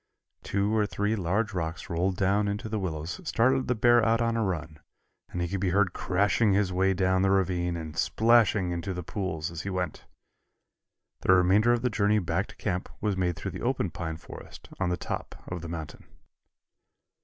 Two or three large rocks rolled down into the willows started the bear out on a run and he could be heard crashing his way down the ravine and splashing into the pools as he went. The remainder of the journey back to camp was made through the open pine forest on the top of the mountain.